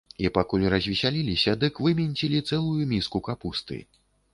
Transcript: І пакуль развесяліліся, дык выменцілі цэлую міску капусты.